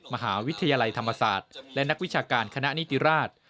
มหาวิทยาลัยธรรมศาสตร์และนักวิชาการคณะนิติราช